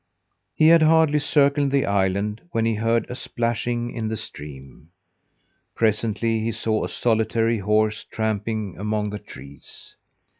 He had hardly circled the island, when he heard a splashing in the stream. Presently he saw a solitary horse tramping among the trees.